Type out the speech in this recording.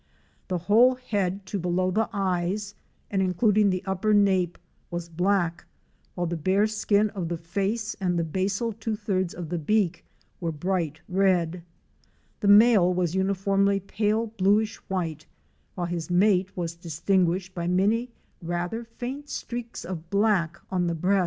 The whole head to below the eyes and including the upper nape was black, while the bare skin of the face and the basal two thirds of the beak were bright red. The male was uniformly pale bluish white, while his mate was distin guished by many rather faint streaks of black on the breast, OUR SEARCH FOR A WILDERNESS.